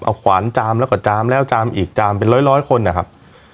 เอาขวานจามแล้วก็จามแล้วจามอีกจามเป็นร้อยคนนะครับ